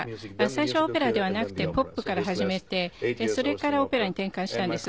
最初はオペラではなくてポップから始めてそれからオペラに転換したんです。